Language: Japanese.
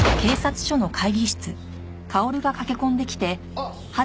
あっ！